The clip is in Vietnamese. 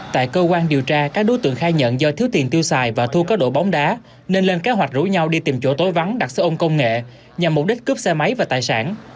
tại cơ quan điều tra các đối tượng khai nhận do thiếu tiền tiêu xài và thu các đội bóng đá nên lên kế hoạch rủ nhau đi tìm chỗ tối vắng đặt xe ôn công nghệ nhằm mục đích cướp xe máy và tài sản